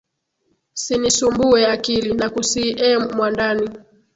Sinisumbuwe akili, nakusihi e mwandani,